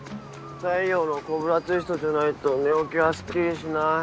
太陽のコブラツイストじゃないと寝起きはスッキリしない。